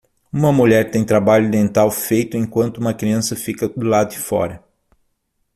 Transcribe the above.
Uma mulher tem trabalho dental feito enquanto uma criança fica do lado de fora.